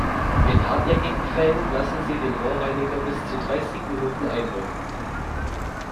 In hartnäckigen Fällen lassen Sie den Rohrreiniger bis zu dreißig Minuten einwirken.